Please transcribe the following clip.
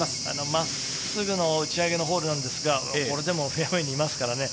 真っすぐの打ち上げのホールなんですけどフェアウエーにいますからね。